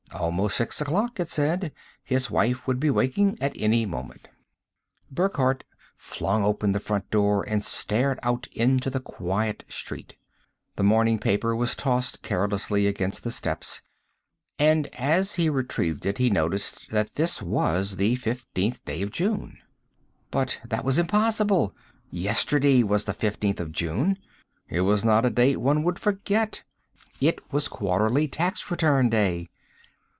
Almost six o'clock, it said. His wife would be waking at any moment. Burckhardt flung open the front door and stared out into the quiet street. The morning paper was tossed carelessly against the steps and as he retrieved it, he noticed that this was the 15th day of June. But that was impossible. Yesterday was the 15th of June. It was not a date one would forget it was quarterly tax return day.